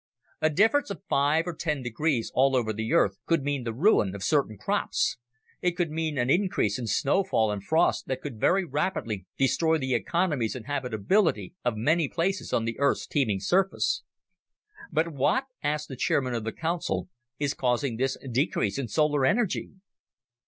A difference of five or ten degrees all over the Earth could mean the ruin of certain crops, it could mean an increase in snowfall and frost that could very rapidly destroy the economies and habitability of many places on the Earth's teeming surface. "But what," asked the Chairman of the Council, "is causing this decrease in solar energy?"